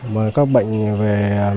và các bệnh về